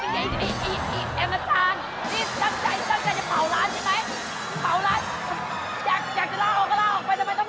เจ๊ให้เข้าอธิบายหน่อยหน่อยเหรอเจ๊